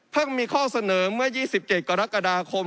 มีข้อเสนอเมื่อ๒๗กรกฎาคม